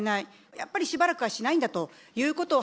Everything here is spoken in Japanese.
やっぱりしばらくはしないんだということを、